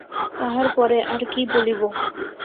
তাহার পরে আর কী বলিব।